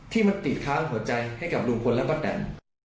ที่มาติดคะกับหัวใจให้กับหลุงพลและบันด์ดัน